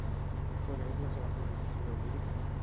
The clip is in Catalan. Com és la seva producció lírica?